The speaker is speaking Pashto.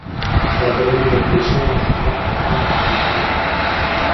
بادرنګ د فیشن او ښکلا برخه هم ګرځېدلې ده.